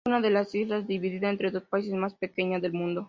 Es una de las islas dividida entre dos países más pequeña del mundo.